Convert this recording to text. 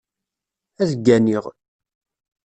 Ad gganiɣ.